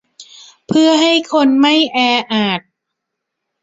เพื่อให้คนไม่แออัด